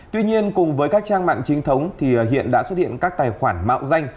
tuy nhiên cùng với các trang mạng trinh thống thì hiện đã xuất hiện các tài khoản mạo danh